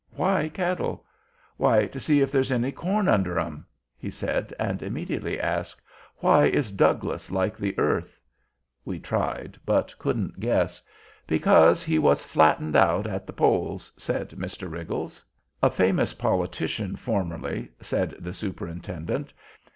Why cattle?" "Why, to see if there's any corn under 'em!" he said; and immediately asked, "Why is Douglas like the earth?" We tried, but couldn't guess. "Because he was flattened out at the polls!" said Mr. Riggles. "A famous politician, formerly," said the Superintendent.